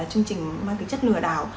là chương trình mang cái chất lừa đảo